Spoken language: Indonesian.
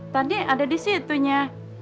tadi ada disitu nya